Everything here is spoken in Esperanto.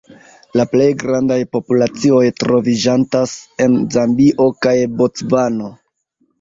La plej grandaj populacioj troviĝantas en Zambio kaj Bocvano.